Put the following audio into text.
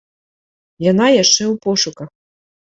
Яна яшчэ ў пошуках.